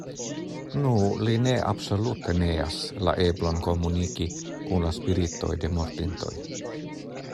Nu, li ne absolute neas la eblon komuniki kun la spiritoj de mortintoj.